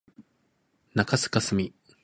中須かすみ